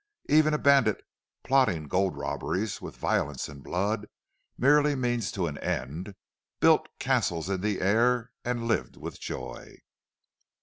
Even a bandit plotting gold robberies, with violence and blood merely means to an end built castles in the air and lived with joy!